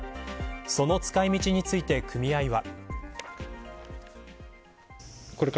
その使い道について組合は。